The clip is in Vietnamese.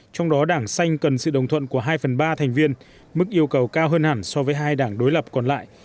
trong đó đảng xanh cần sự đồng thuận của hai phần ba thành viên mức yêu cầu cao hơn hẳn so với hai đảng đối lập còn lại